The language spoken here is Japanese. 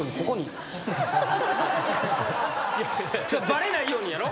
バレないようにやろ？